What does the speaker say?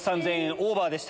オーバーでした。